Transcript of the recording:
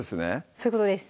そういうことです